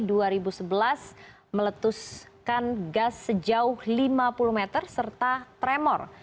dan di tahun dua ribu sebelas meletuskan gas sejauh lima puluh meter serta tremor